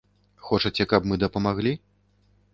Хочаце каб мы дапамаглі?